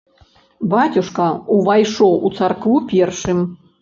Бацюшка ўвайшоў у царкву першым.